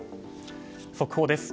速報です。